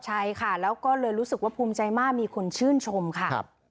ใช่ค่ะแล้วก็เลยรู้สึกว่าภูมิใจมากมีคนชื่นชมค่ะ